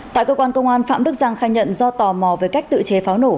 tại cơ quan công an phạm đức giang khai nhận do tò mò về cách tự chế pháo nổ